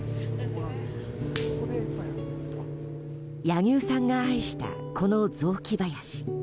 柳生さんが愛したこの雑木林。